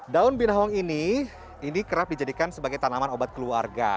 daun binahong ini kerap dijadikan sebagai tanaman obat keluarga